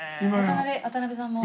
渡辺さんも。